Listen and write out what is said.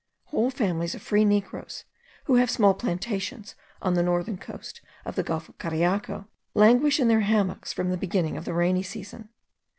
Whole families of free negroes, who have small plantations on the northern coast of the gulf of Cariaco, languish in their hammocks from the beginning of the rainy season.